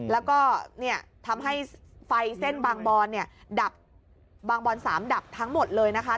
แล้วก็ทำให้ไฟเส้นบางบอนเนี่ยดับบางบอน๓ดับทั้งหมดเลยนะคะ